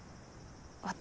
私